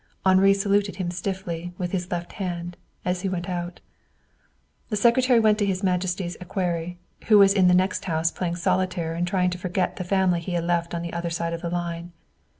Henri saluted him stiffly, with his left hand, as he went out. The secretary went to His Majesty's equerry, who was in the next house playing solitaire and trying to forget the family he had left on the other side of the line.